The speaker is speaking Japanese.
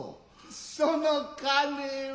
その金は。